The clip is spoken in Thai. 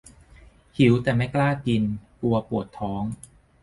หิวแต่ไม่กล้ากิน กลัวปวดท้อง -_